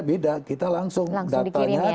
beda kita langsung datanya